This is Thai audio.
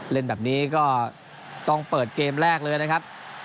เล่นแบบนี้ก็ต้องเปิดเกมแรกเลยนะครับ